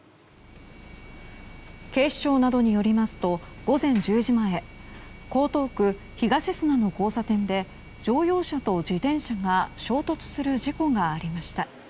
警視庁などによりますと午前１０時前江東区東砂の交差点で乗用車と自転車が衝突する事故がありました。